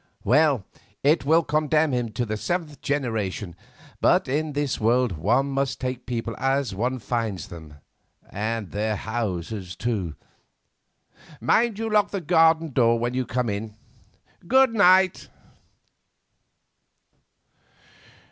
Well, it will condemn him to the seventh generation; but in this world one must take people as one finds them, and their houses, too. Mind you lock the garden door when you come in. Good night."